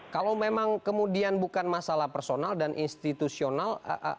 kalau memang kemudian bukan masalah personal dan institusional